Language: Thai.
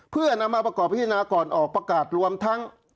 เพื่อนำมาประกอบพิจารณาก่อนออกประกาศรวมทั้ง